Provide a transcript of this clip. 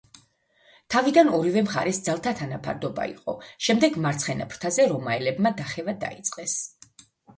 თავიდან ორივე მხარეს ძალთა თანაფარდობა იყო, შემდეგ მარცხენა ფრთაზე რომაელებმა დახევა დაიწყეს.